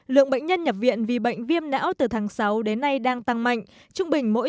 lượng bệnh nhân nhập viện vì bệnh viêm não từ tháng sáu đến nay đang tăng mạnh trung bình mỗi